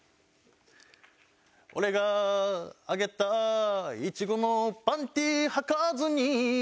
「俺があげたイチゴのパンティはかずに」